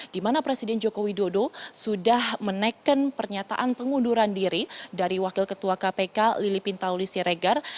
di mana presiden joko widodo sudah menaikkan pernyataan pengunduran diri dari wakil ketua kpk lili pintauli siregar